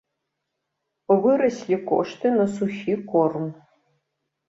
Выраслі кошты на сухі корм.